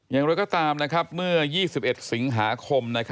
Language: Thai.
อย่างไรก็ตามเมื่อ๒๑สิงหาคม